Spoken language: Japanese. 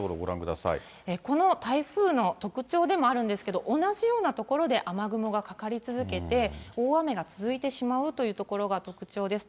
この台風の特徴でもあるんですけど、同じような所で雨雲がかかり続けて、大雨が続いてしまうというところが特徴です。